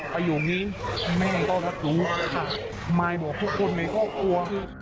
ประหยุดนี้แม่ก็รักรู้มายบอกทุกคนในครอบครัว